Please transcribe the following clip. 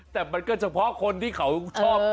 แต่มันก็เฉพาะคนที่เขาชอบ